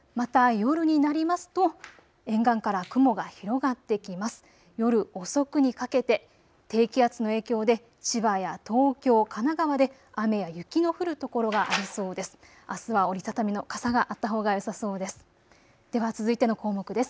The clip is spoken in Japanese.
夜遅くにかけて低気圧の影響で千葉や東京、神奈川で雨や雪の降る所がありそうです。